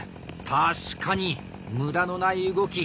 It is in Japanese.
確かに無駄のない動き。